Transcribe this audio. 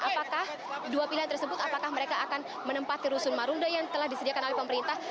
apakah dua pilihan tersebut apakah mereka akan menempati rusun marunda yang telah disediakan oleh pemerintah